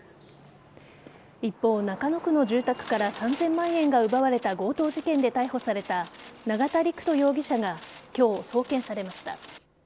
一方、中野区の住宅から３０００万円が奪われた強盗事件で逮捕された永田陸人容疑者が今日、送検されました。